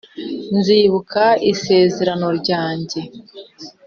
nzibuka isezerano ryanjye